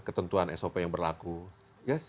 ketentuan sop yang berlaku ya